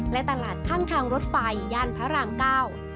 และตลาดข้างทางรถไฟย่านพระรามเก้า